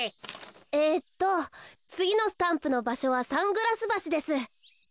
えっとつぎのスタンプのばしょはサングラスばしです。